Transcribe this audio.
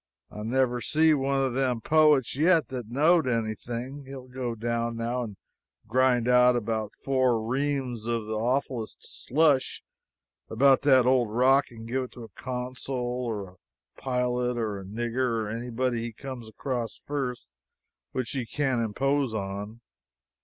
I never see one of them poets yet that knowed anything. He'll go down now and grind out about four reams of the awfullest slush about that old rock and give it to a consul, or a pilot, or a nigger, or anybody he comes across first which he can impose on.